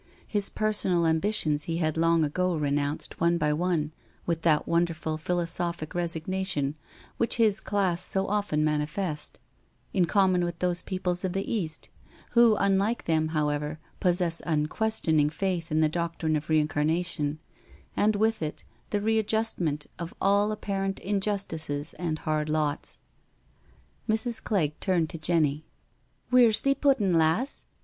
His personal ambi tions he had long ago renounced one by one, with that wonderful philosophic resignation which his class so often manifest, in common with those peoples of the East, who, unlike them however, possess unquestioning faith in the doctrine of reincarnation, and with it in the readjustment of all apparent injustices and hard lots. Mrs. Clegg turned to Jenny. Wheer's thee put un, lass?